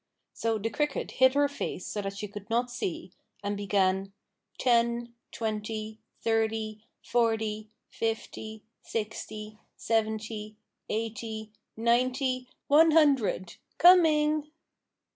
So the cricket hid her face so that she could not see, and began: "Ten, twenty, thirty, forty, fifty, sixty, seventy, eighty, ninety, one hundred! Coming!"